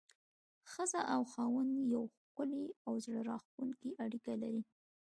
ښځه او خاوند يوه ښکلي او زړه راښکونکي اړيکه لري.